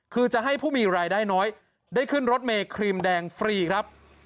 คือจะให้ผู้มีรายได้น้อยได้ขึ้นรถเมย์ครีมแดงฟรีครับ